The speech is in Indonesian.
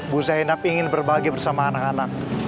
bu zainab ingin berbahagia bersama anak anak